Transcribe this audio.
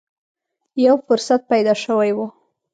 یو فرصت پیدا شوې و